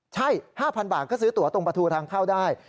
ใช่๕๐๐บาทก็ซื้อตัวตรงประตูทางเข้าได้